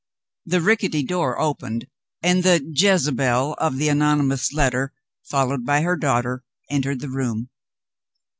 The rickety door opened, and the "Jezebel" of the anonymous letter (followed by her daughter) entered the room.